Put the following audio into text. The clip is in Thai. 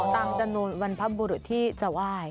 อ๋อตามจนุลวันพระบุรุษที่จะไหว้